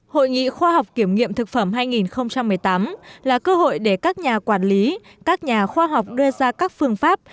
hội nghị khoa học kiểm nghiệm thực phẩm hai nghìn một mươi tám là cơ hội để các nhà quản lý các nhà khoa học đưa ra các phương pháp